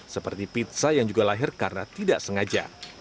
seperti pizza yang juga lahir karena tidak sengaja